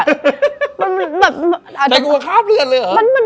แต่กลัวคราบเลือดเลยเหรอ